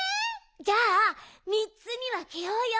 じゃみっつにわけようよ。